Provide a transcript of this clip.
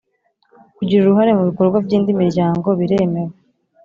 Kugira uruhare mu bikorwa by indi miryango biremewe